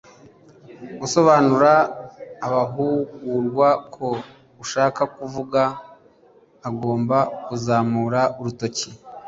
gusobanurira abahugurwa ko ushaka kuvuga agomba kuzamura urutoki